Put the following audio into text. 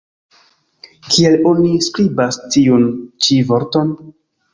Kiel oni skribas tiun ĉi vorton?